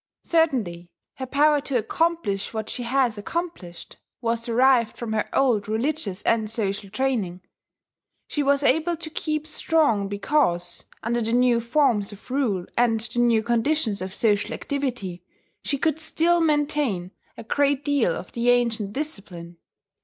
Certainly her power to accomplish what she has accomplished was derived from her old religious and social training: she was able to keep strong because, under the new forms of rule and the new conditions of social activity, she could still maintain a great deal of the ancient discipline.